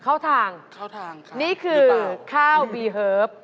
เข้าทางค่ะหรือเปล่านี่คือข้าวบีเฮิร์ฟ